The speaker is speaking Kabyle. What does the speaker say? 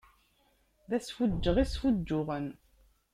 D asfuǧǧeɣ i sfuǧǧuɣen.